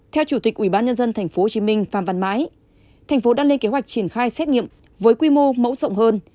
theo chủ tịch ubnd tp hcm pham văn mãi tp hcm đang lên kế hoạch triển khai xét nghiệm với quy mô mẫu rộng hơn